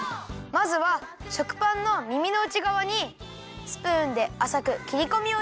まずは食パンのみみのうちがわにスプーンであさくきりこみをいれるよ！